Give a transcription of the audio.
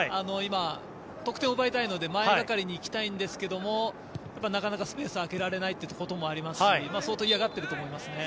今、得点を奪いたいので前がかりに行きたいんですけどもなかなかスペースを空けられないということもありますし相当、嫌がっていると思います。